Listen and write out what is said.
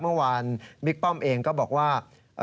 เมื่อวานบิ๊กป้อมเองก็บอกว่า